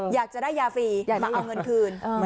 อยากจะได้ยาฟรีอยากมาเอาเงินคืน